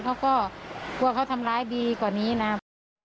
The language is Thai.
เขาก็กลัวเขาทำร้ายดีกว่านี้นะ